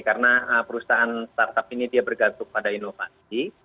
karena perusahaan startup ini dia bergantung pada inovasi